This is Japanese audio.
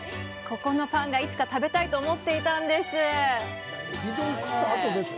ここのパンがいつか食べたいと思っていたんです！